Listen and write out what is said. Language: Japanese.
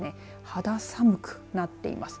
肌寒くなっています。